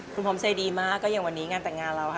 คุณพร้อมใจดีมากก็อย่างวันนี้งานแต่งงานเราค่ะ